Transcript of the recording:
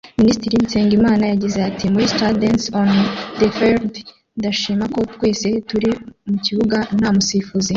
Minisitiri Nsengima yagize ati “Muri ’Students on the field’ ndashima ko twese turi mu kibuga nta musifuzi